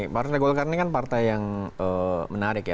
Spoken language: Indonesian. partai golkar ini kan partai yang menarik ya